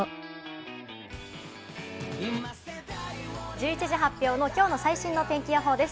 １１時発表の今日の最新の天気予報です。